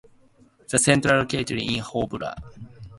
The central locality is Hobara.